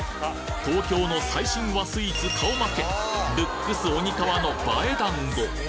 東京の最新和スイーツ顔負けルックス鬼カワの映え団子！